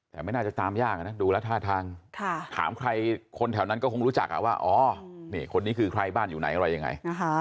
แต่ไม่น่าจะตามยากนะดูแล้วท่าทางถามใครคนแถวนั้นก็คงรู้จักว่าอ๋อนี่คนนี้คือใครบ้านอยู่ไหนอะไรยังไง